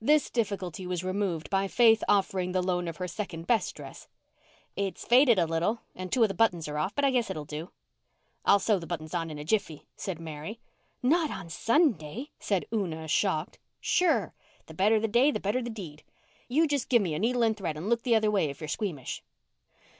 This difficulty was removed by Faith offering the loan of her second best dress. "It's faded a little and two of the buttons are off, but I guess it'll do." "I'll sew the buttons on in a jiffy," said Mary. "Not on Sunday," said Una, shocked. "Sure. The better the day the better the deed. You just gimme a needle and thread and look the other way if you're squeamish."